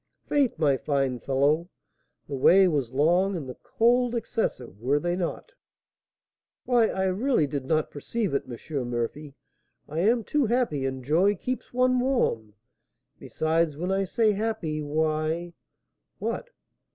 "'Faith, my fine fellow, the way was long and the cold excessive; were they not?" "Why, I really did not perceive it, M. Murphy; I am too happy, and joy keeps one warm. Besides, when I say happy, why " "What?"